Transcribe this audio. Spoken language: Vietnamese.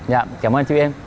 dạ cảm ơn chị em